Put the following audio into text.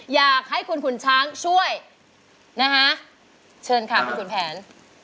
อยากให้คุณขุนช้างช่วยนะฮะเชิญค่ะคุณขุนแผน